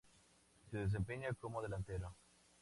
Se desempeña como delantero.